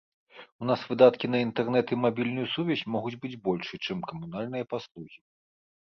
У нас выдаткі на інтэрнэт і мабільную сувязь могуць быць большыя, чым камунальныя паслугі.